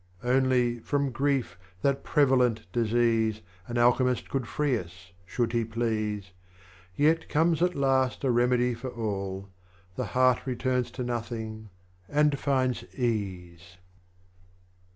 47. Only, from Grief, that Prevalent Disease, An Alchemist could free us, should he please. Yet comes at last a Remedy for all, The Heart returns to Nothing, and finds Ease.